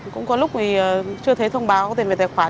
cũng có lúc thì chưa thấy thông báo tiền về tài khoản